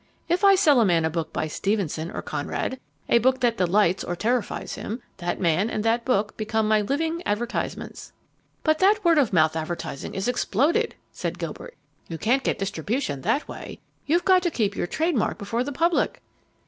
If I sell a man a book by Stevenson or Conrad, a book that delights or terrifies him, that man and that book become my living advertisements." "But that word of mouth advertising is exploded," said Gilbert. "You can't get Distribution that way. You've got to keep your trademark before the public."